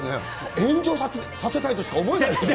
炎上させたいとしか思えないですね。